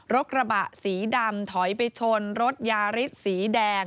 กระบะสีดำถอยไปชนรถยาริสสีแดง